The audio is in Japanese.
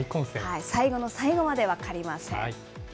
最後の最後まで分かりません。